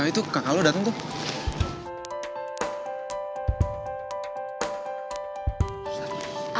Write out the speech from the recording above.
itu kakak lo datang tuh